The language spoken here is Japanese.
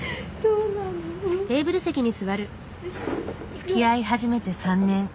つきあい始めて３年。